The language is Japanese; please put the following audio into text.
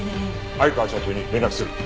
相川社長に連絡する。